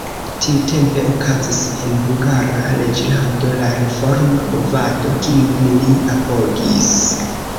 Tiutempe okazis en Hungara reĝlando la reforma movado, kiun li apogis.